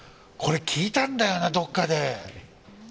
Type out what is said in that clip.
聞いたんだよなどこかで。